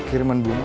terima kasih mas